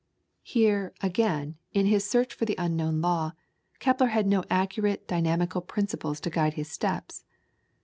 Here, again, in his search for the unknown law, Kepler had no accurate dynamical principles to guide his steps.